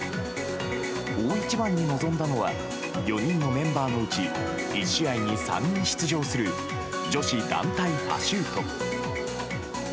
大一番に臨んだのは４人のメンバーのうち１試合に３人出場する女子団体パシュート。